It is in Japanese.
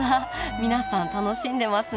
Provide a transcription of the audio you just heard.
皆さん楽しんでますね。